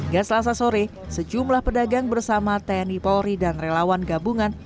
gak selasa sore sejumlah pedagang bersama tni polri dan relawan gabungan